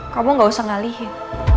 kamu gak usah ngalihin